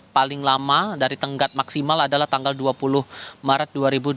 paling lama dari tenggat maksimal adalah tanggal dua puluh maret dua ribu dua puluh